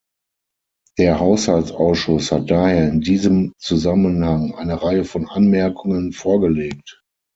Der Haushaltsausschuss hat daher in diesem Zusammenhang eine Reihe von Anmerkungen vorgelegt.